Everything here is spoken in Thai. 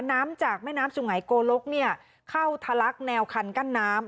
น้ำจากแม่น้ำสุงัยโกลกเข้าทะลักแนวคันกั้นน้ำ